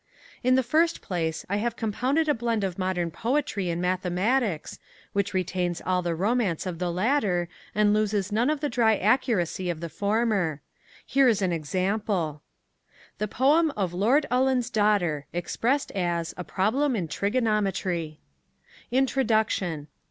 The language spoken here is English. In the first place I have compounded a blend of modern poetry and mathematics, which retains all the romance of the latter and loses none of the dry accuracy of the former. Here is an example: The poem of LORD ULLIN'S DAUGHTER expressed as A PROBLEM IN TRIGONOMETRY INTRODUCTION.